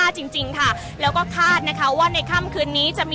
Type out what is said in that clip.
อาจจะออกมาใช้สิทธิ์กันแล้วก็จะอยู่ยาวถึงในข้ามคืนนี้เลยนะคะ